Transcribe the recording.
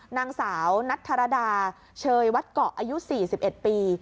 นางสาวนัทธรดาเชยวัดเกาะอายุ๔๑ปี